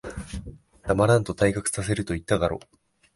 黙らんと、退学させると言っただろ。